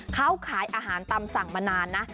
เขาขายอาหารตามสั่งมานานนะ